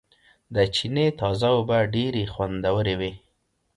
د چينې تازه اوبه ډېرې خوندورېوي